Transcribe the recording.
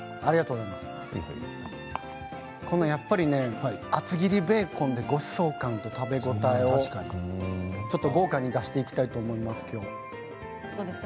やっぱり厚切りベーコンでごちそう感と食べ応えをちょっと豪華に出していきたいとどうですか？